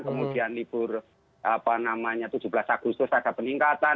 kemudian libur apa namanya tujuh belas agustus ada peningkatan